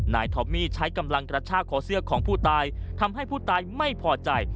ทอมมี่ใช้กำลังกระชากคอเสื้อของผู้ตายทำให้ผู้ตายไม่พอใจ